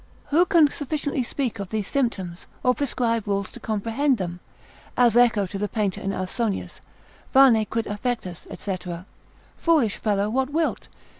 Who can sufficiently speak of these symptoms, or prescribe rules to comprehend them? as Echo to the painter in Ausonius, vane quid affectas, &c., foolish fellow; what wilt?